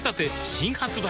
新発売